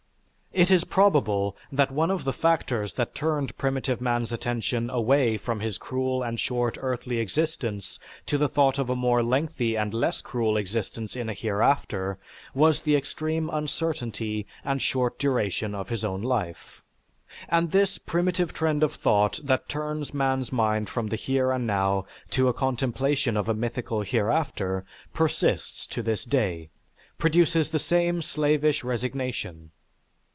It is probable that one of the factors that turned primitive man's attention away from his cruel and short, earthly existence to the thought of a more lengthy and less cruel existence in a hereafter, was the extreme uncertainty and short duration of his own life. And this primitive trend of thought that turns man's mind from the here and now to a contemplation of a mythical hereafter persists to this day, produces the same slavish resignation.